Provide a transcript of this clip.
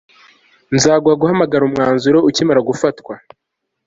nzaguha guhamagara umwanzuro ukimara gufatwa